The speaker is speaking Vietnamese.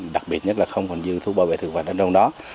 đặc biệt nhất là không còn dư thuốc bảo vệ thực phẩm ở trong đó